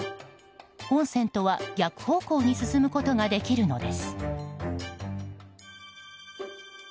本線とは逆方向に進むことができるのです。